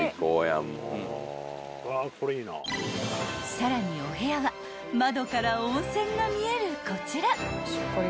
［さらにお部屋は窓から温泉が見えるこちら］